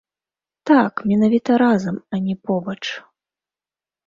Так, менавіта разам, а не побач.